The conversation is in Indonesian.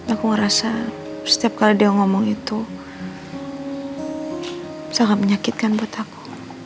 aku ngerasa setiap kali dia ngomong itu sangat menyakitkan buat aku